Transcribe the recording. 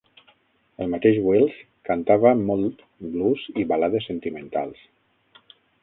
El mateix Wills cantava molt blues i balades sentimentals.